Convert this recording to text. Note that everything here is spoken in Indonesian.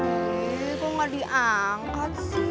eh kok gak diangkat sih